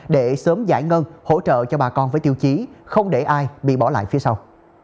để sớm giải ngân hỗ trợ cho bà con với tiêu chí không để ai bị bỏ lại phía sau